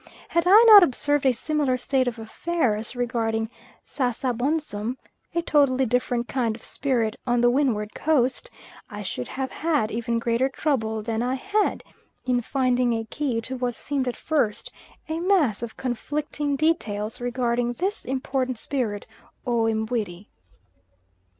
Had I not observed a similar state of affairs regarding Sasabonsum, a totally different kind of spirit on the Windward coast, I should have had even greater trouble than I had, in finding a key to what seemed at first a mass of conflicting details regarding this important spirit O Mbuiri.